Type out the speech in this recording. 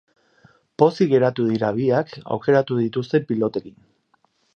Pozik geratu dira biak aukeratu dituzten pilotekin.